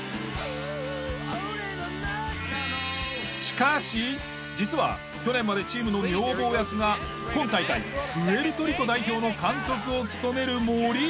しかし実は去年までチームの女房役が今大会プエルトリコ代表の監督を務めるモリーナ。